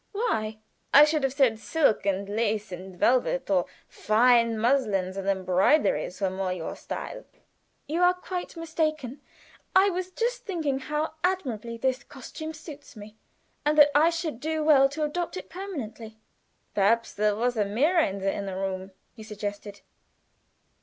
Why?" "I should have said silk and lace and velvet, or fine muslins and embroideries, were more in your style." "You are quite mistaken. I was just thinking how admirably this costume suits me, and that I should do well to adopt it permanently." "Perhaps there was a mirror in the inner room," he suggested.